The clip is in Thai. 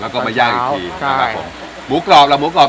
แล้วก็มาย่างอีกทีใช่ครับผมหมูกรอบล่ะหมูกรอบ